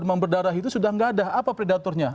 demam berdarah itu sudah tidak ada apa predatornya